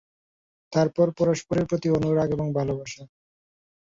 তারপর পরস্পরের প্রতি অনুরাগ এবং ভালোবাসা।